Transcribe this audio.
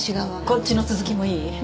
こっちの続きもいい？